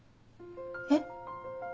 えっ？